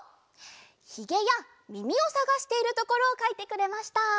ひげやみみをさがしているところをかいてくれました。